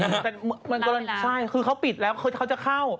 แต่มันกำลังใช่คือเขาปิดแล้วเขาจะเข้า